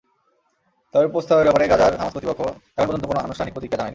তবে প্রস্তাবের ব্যাপারে গাজার হামাস কর্তৃপক্ষ এখন পর্যন্ত কোনো আনুষ্ঠানিক প্রতিক্রিয়া জানায়নি।